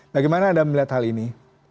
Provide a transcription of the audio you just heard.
bagaimana anda melihat hal ini